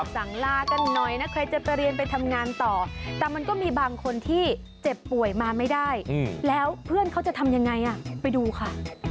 สั่งลากันหน่อยนะใครจะไปเรียนไปทำงานต่อแต่มันก็มีบางคนที่เจ็บป่วยมาไม่ได้แล้วเพื่อนเขาจะทำยังไงไปดูค่ะ